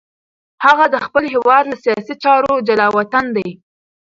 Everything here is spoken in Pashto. هغه د خپل هېواد له سیاسي چارو جلاوطن دی.